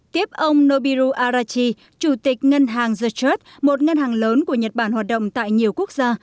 tiếp ông nobiru arachi chủ tịch ngân hàng jet một ngân hàng lớn của nhật bản hoạt động tại nhiều quốc gia